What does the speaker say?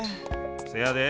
せやで！